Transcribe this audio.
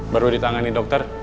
baru ditangani dokter